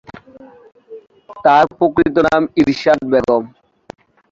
তার প্রকৃত নাম ইরশাদ বেগম।